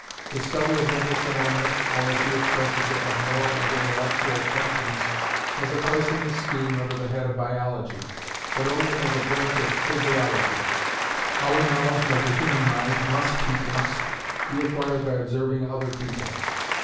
The study of mental phaenomena, or, as he expresses it, of moral and intellectual functions, has a place in his scheme, under the head of Biology, but only as a branch of physiology. Our knowledge of the human mind must, he thinks, be acquired by observing other people.